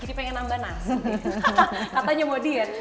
jadi pengen nambah nas katanya mau diat